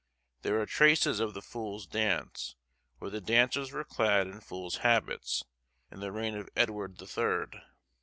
There are traces of the fool's dance, where the dancers were clad in fool's habits, in the reign of Edward the Third.